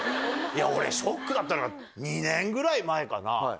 俺ショックだったのが２年ぐらい前かな？